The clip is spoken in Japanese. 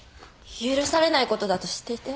許されないことだと知っていて？